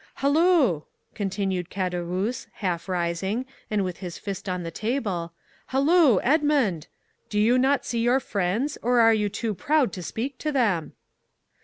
"Hallo!" continued Caderousse, half rising, and with his fist on the table, "hallo, Edmond! do you not see your friends, or are you too proud to speak to them?"